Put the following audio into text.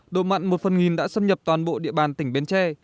độ mặn một phần nghìn đã xâm nhập toàn bộ địa bàn tỉnh bến tre